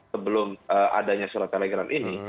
sebelum adanya surat telegram ini